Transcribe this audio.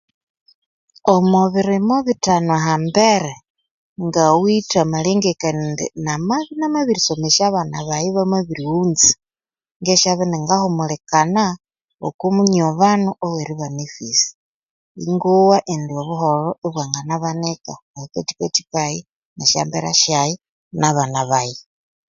Omobirimo bithano ahambere ngawithe amalengekania indi namabya inamabirisomesya abana bayi ibamabiri ghunza, ngesabya iningahumulikana oko munyobano oweri bana e fizi, ingowa indi obuholho bwanganabanika ahakathikathi kayi, nesya mbera shayi nabana bayi.